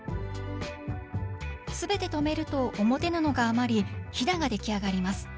全て留めると表布が余りヒダができあがります